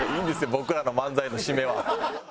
僕らの漫才の締めは。